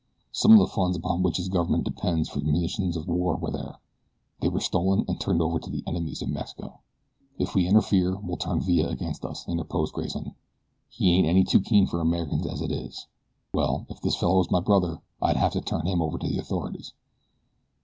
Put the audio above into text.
Some of the funds upon which his government depends for munitions of war were there they were stolen and turned over to the enemies of Mexico." "And if we interfere we'll turn Villa against us," interposed Grayson. "He ain't any too keen for Americans as it is. Why, if this fellow was my brother I'd hev to turn him over to the authorities."